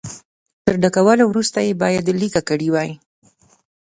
تر ډکولو وروسته یې باید لیکه کړي وای.